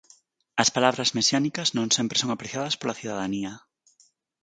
As palabras mesiánicas non sempre son apreciadas pola cidadanía.